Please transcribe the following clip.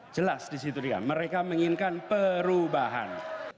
jelas disitu dia mereka menginginkan perubahan